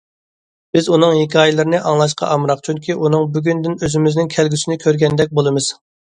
بىز ئۇنىڭ ھېكايىلىرىنى ئاڭلاشقا ئامراق، چۈنكى ئۇنىڭ بۈگۈنىدىن ئۆزىمىزنىڭ كەلگۈسىنى كۆرگەندەك بولىمىز.